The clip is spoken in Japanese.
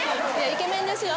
イケメンですよ。